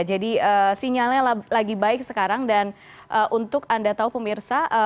jadi sinyalnya lagi baik sekarang dan untuk anda tahu pemirsa